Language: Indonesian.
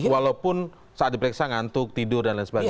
walaupun saat diperiksa ngantuk tidur dan lain sebagainya